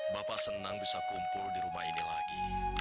bapak senang bisa kumpul di rumah ini lagi